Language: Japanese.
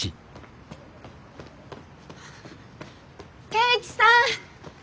圭一さん。